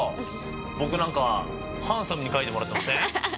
僕何かハンサムに描いてもらってません？